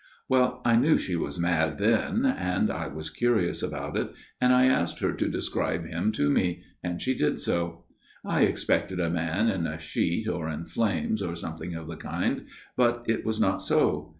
" Well, I knew she was mad then, but I was curious about it, and asked her to describe him to me ; and she did so. I expected a man in a sheet or in flames or something of the kind, but it was not so.